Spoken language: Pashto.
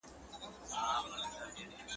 په هغه دي خداى مه وهه، چي څوک ئې نه وي وهلی.